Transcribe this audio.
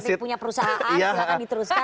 sama seperti punya perusahaan silahkan diteruskan